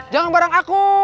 jangan bareng aku